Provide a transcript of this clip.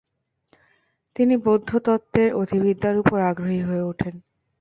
তিনি বৌদ্ধতত্ত্বের অধিবিদ্যার উপর আগ্রহী হয়ে ওঠেন।